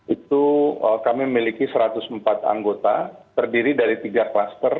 itu kami memiliki satu ratus empat anggota terdiri dari tiga klaster